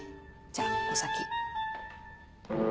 じゃあお先。